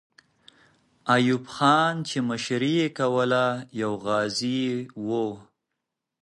ایوب خان چې مشري یې کوله، یو غازی وو.